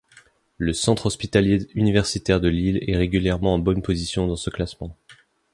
Le Centre Hospitalier Universitaire de Lille est régulièrement en bonne position dans ce classement.